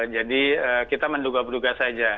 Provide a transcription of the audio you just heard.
jadi kita menduga berduga saja